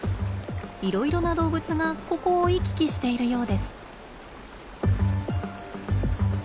いろいろな動物がここを行き来しているようです。